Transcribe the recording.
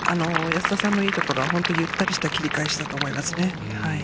安田さんのいいところは本当にゆったりした切り替えしだと思いますね。